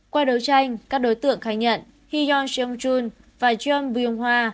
qua đấu tranh các đối tượng khai nhận hyun sung joon và john vung hoa